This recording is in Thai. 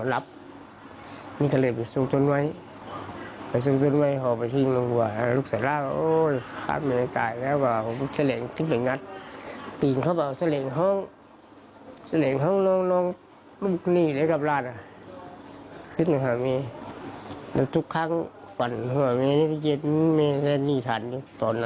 แล้วทุกครั้งฝันยิ่งในใจไม่เล่นลี่ธัน